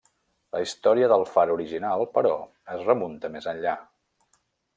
La història del far original, però, es remunta més enllà.